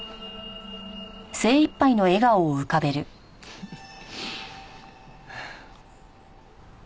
フフッ。